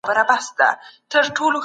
هغه وويل چي زه نور نشم زغملای.